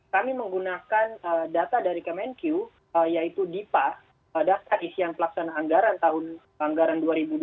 kami menggunakan data dari kemenq yaitu dipa daftar isian pelaksanaan anggaran tahun anggaran dua ribu dua puluh